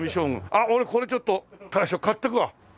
あっこれちょっと大将買っていくわ。